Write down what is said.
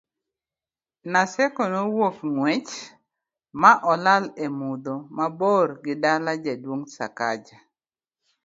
Naseko nowuok ng'wech ma olal e mudho mabor gi dala jaduong' Sakaja